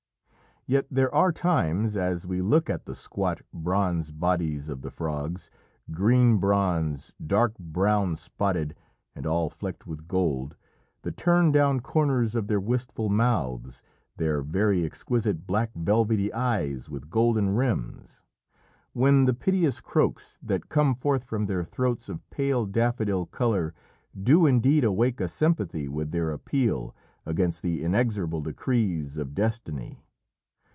Yet are there times, as we look at the squat, bronze bodies of the frogs green bronze, dark brown spotted, and all flecked with gold, the turned down corners of their wistful mouths, their very exquisite black velvety eyes with golden rims when the piteous croaks that come forth from their throats of pale daffodil colour do indeed awake a sympathy with their appeal against the inexorable decrees of destiny.